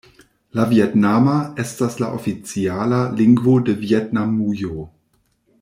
La vjetnama estas la oficiala lingvo de Vjetnamujo.